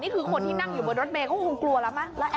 นี่คือคนที่นั่งอยู่บนรถเมย์เขาก็คงกลัวแล้วไหม